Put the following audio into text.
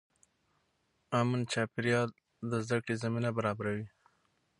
امن چاپېریال د زده کړې زمینه برابروي.